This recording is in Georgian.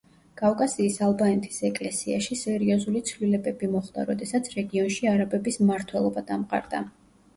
კავკასიის ალბანეთის ეკლესიაში სერიოზული ცვლილებები მოხდა როდესაც რეგიონში არაბების მმართველობა დამყარდა.